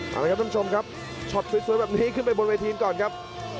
เอาละครับท่านผู้ชมครับช็อตสวยแบบนี้ขึ้นไปบนเวทีก่อนครับ